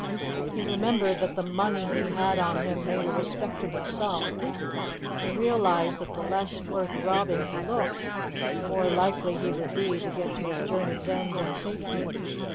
He remembered that the money he had on him made a respectable sum, and realized that the less worth robbing he looked, the more likely he would be to get to his journey's end in safety.